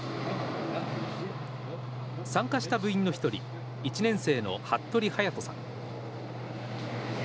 参加した部員の１人１年生の服部隼都さん。